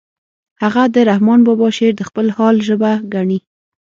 هغه د رحمن بابا شعر د خپل حال ژبه ګڼي